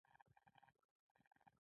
د سکرو دوړې د هوا کیفیت خرابوي.